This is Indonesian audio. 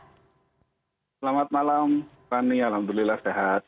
selamat malam fani alhamdulillah sehat